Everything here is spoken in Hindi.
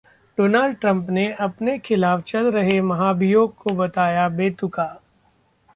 डोनाल्ड ट्रंप ने अपने खिलाफ चल रहे महाभियोग को बताया बेतुका